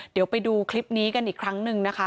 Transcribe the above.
เดี๋ยวไปดูคลิปนี้กันอีกครั้งหนึ่งนะคะ